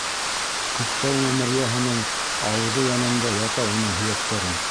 Күктау мәмерйәһенең ауыҙы янында ята уның һөйәктәре.